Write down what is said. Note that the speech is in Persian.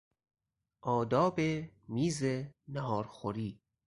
آداب میز نهارخوری